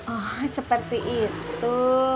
oh seperti itu